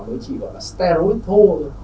nó chỉ gọi là steroid thô thôi